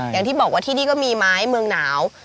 อย่างที่บอกว่าที่นี่ก็มีไม้เมืองหนาว